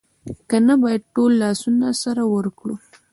که نه باید ټول لاسونه سره ورکړو